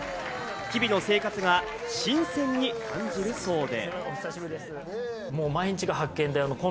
日々の生活が新鮮に感じるそうで。